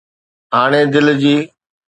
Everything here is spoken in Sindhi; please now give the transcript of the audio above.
هاڻي دل جي